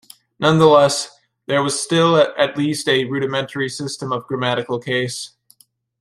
Nonetheless, there was still at least a rudimentary system of grammatical case.